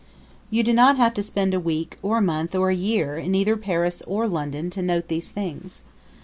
You do not have to spend a week or a month or a year in either Paris or London to note these things.